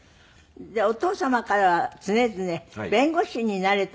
でお父様からは常々「弁護士になれ」と言われて。